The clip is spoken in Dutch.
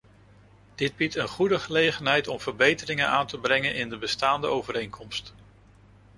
Dit biedt een goede gelegenheid om verbeteringen aan te brengen in de bestaande overeenkomst.